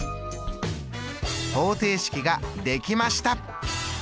方程式が出来ました！